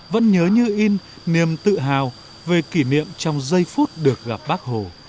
vẫn nhớ như in niềm tự hào về kỷ niệm trong giây phút được gặp bác hồ